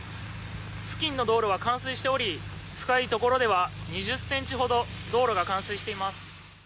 付近の道路は冠水しており深いところでは２０ｃｍほど道路が冠水しています。